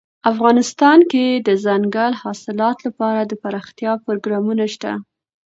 افغانستان کې د دځنګل حاصلات لپاره دپرمختیا پروګرامونه شته.